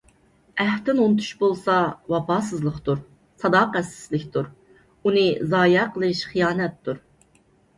ئەھدىنى ئۇنتۇش بولسا، ۋاپاسىزلىقتۇر، ساداقەتسىزلىكتۇر. ئۇنى زايە قىلىش خىيانەتتۇر.